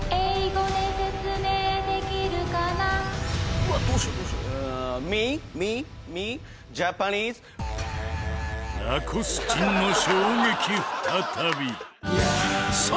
「うわっどうしようどうしよう」ラコスチンの衝撃再び。